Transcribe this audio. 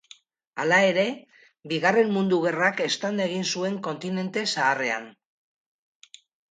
Hala ere, Bigarren Mundu Gerrak eztanda egin zuen kontinente zaharrean.